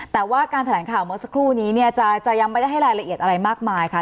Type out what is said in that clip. แต่ว่าการแถลงข่าวเมื่อสักครู่นี้เนี่ยจะยังไม่ได้ให้รายละเอียดอะไรมากมายค่ะ